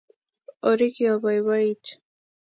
Orikyi oboibo-itu;